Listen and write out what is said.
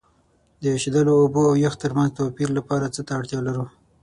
د ایشیدلو اوبو او یخ ترمنځ توپیر لپاره څه ته اړتیا لرو؟